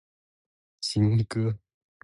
行，哥！